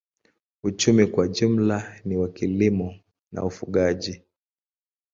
Uchumi kwa jumla ni wa kilimo na ufugaji.